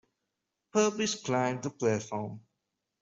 Purvis climbed the platform.